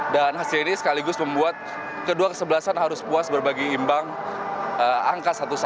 dan hasil ini sekaligus membuat kedua kesebelasan harus puas berbagi imbang angka satu satu